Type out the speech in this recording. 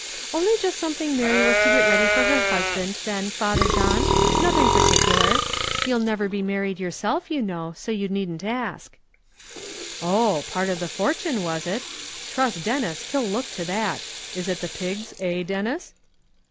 "Only just something Mary was to get ready for her husband, then, Father John nothing particular. You'll never be married yourself, you know, so you needn't ask." "Oh! part of the fortune, was it? Trust Denis, he'll look to that; is it the pigs, eh, Denis?"